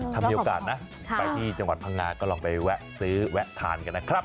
ถ้ามีโอกาสนะไปที่จังหวัดพังงาก็ลองไปแวะซื้อแวะทานกันนะครับ